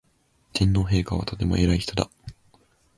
天皇陛下はとても偉い人だ